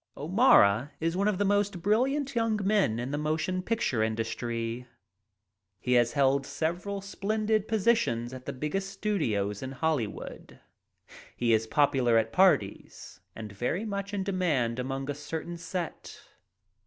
O'Mara is one of the most brilliant young men in the motion picture industry. He has held several splendid positions at the biggest studios in Holly He is popular at parties and very much in demand among a certain set.